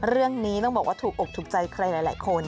เรื่องนี้ต้องบอกว่าถูกอกถูกใจใครหลายคน